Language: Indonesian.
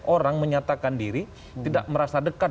orang menyatakan diri tidak merasa dekat